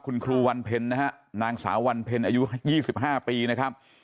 คุณครูวันเพลนางสาววันเพลอายุ๒๕ปีนะครับ